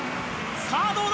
さぁどうだ？